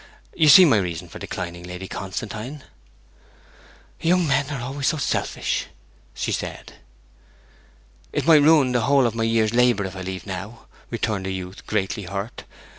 You see my reason for declining, Lady Constantine.' 'Young men are always so selfish!' she said. 'It might ruin the whole of my year's labour if I leave now!' returned the youth, greatly hurt.